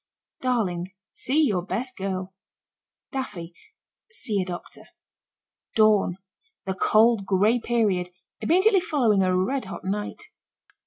DARLING. See your best girl. DAFFY. See a doctor. DAWN. The cold, gray period immediately following a red hot night.